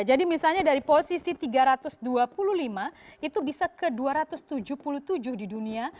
jadi misalnya dari posisi tiga ratus dua puluh lima itu bisa ke dua ratus tujuh puluh tujuh di dunia